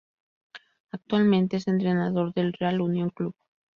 Actualmente es entrenador del Real Unión Club.